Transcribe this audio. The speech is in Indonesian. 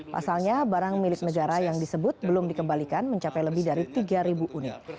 pasalnya barang milik negara yang disebut belum dikembalikan mencapai lebih dari tiga unit